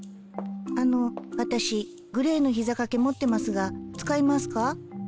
あの私グレーの膝掛け持ってますが使いますか？